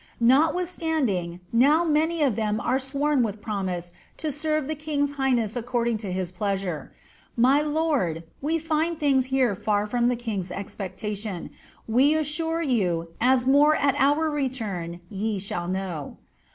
Notwith* Manding, now many of them are sworn with promise to serve the king's higlmess aecording to his pleasure. My lord, we found things here far from the king's expectation, we assure you, as more at our return ye shall know.